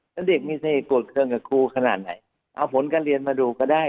แล้วเด็กมีเสน่หวดเครื่องกับครูขนาดไหนเอาผลการเรียนมาดูก็ได้